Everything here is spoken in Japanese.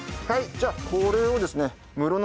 じゃあこれをですね。